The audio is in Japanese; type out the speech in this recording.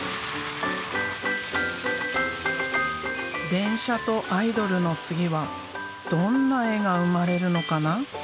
電車とアイドルの次はどんな絵が生まれるのかな。